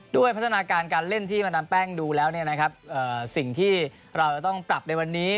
พัฒนาการการเล่นที่มาดามแป้งดูแล้วสิ่งที่เราจะต้องปรับในวันนี้